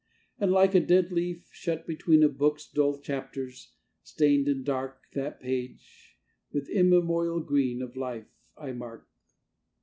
And like a dead leaf shut between A book's dull chapters, stained and dark, That page, with immemorial green, Of life I mark.